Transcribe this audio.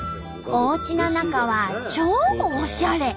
おうちの中は超おしゃれ！